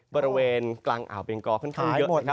บริเวณกลางอ่าวเบงกอค่อนข้างเยอะ